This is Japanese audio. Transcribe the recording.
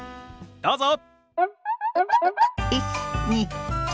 どうぞ！